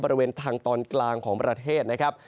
บริเวณทางตอนกลางของประเทศนะครับ